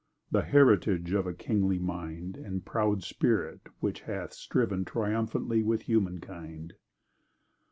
The heritage of a kingly mind, And a proud spirit which hath striven Triumphantly with human kind.